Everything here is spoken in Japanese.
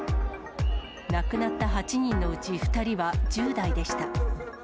亡くなった８人のうち２人は、１０代でした。